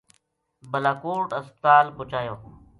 بالاکوٹ ہسپتال پوہچایو